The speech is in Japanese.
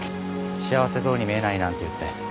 「幸せそうに見えない」なんて言って。